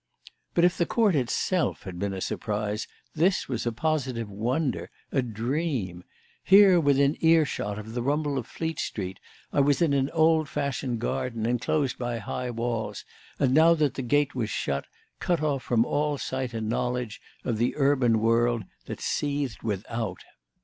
But if the court itself had been a surprise, this was a positive wonder, a dream. Here, within earshot of the rumble of Fleet Street, I was in an old fashioned garden enclosed by high walls and, now that the gate was shut, cut off from all sight and knowledge of the urban world that seethed without.